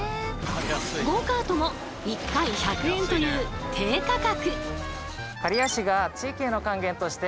ゴーカートも１回１００円という低価格。